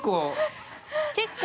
結構？